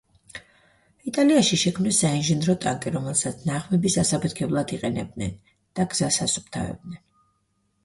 იტალიაში შექმნეს საინჟინრო ტანკი რომელსაც ნაღმების ასაფეთქებლად იყენებდნენ და გზას ასუფთავებდნენ.